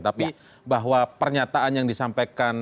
tapi bahwa pernyataan yang disampaikan